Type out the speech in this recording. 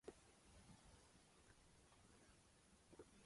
呃，我才出门没多久，就下雨了